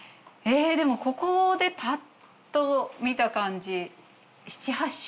えでもここでパッと見た感じ。